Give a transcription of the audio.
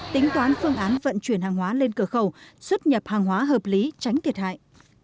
tính toán phương án vận chuyển hàng hóa lên cửa khẩu xuất nhập hàng hóa hợp lý tránh thiệt hại